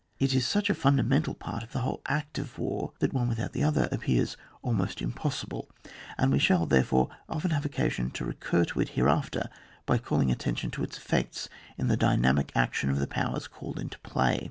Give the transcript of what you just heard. It is such a fundamental part of the whole act of war, that the one without the other appears almost impos sible ; and we shall therefore often have occasion to recur to it hereafter by calling attention to its effects in the dynamic action of the powers called into play.